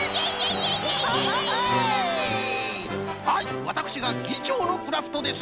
はいわたくしがぎちょうのクラフトです。